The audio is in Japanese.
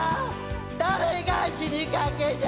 誰が死にかけじゃ！